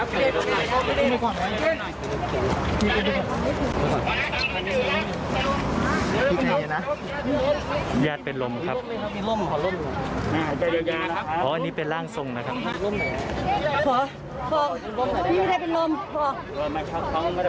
พี่เป็นไหนนะแยกเป็นลมครับอันนี้เป็นร่างทรงนะครับ